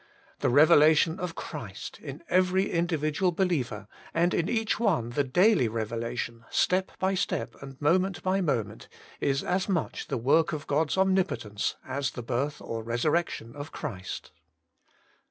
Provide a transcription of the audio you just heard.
The revelation of Christ in every individual believer, and in each one the daily revelation, step by step and moment by moment, is as much the work of God's omnipotence as the birth or resurrection of Christ.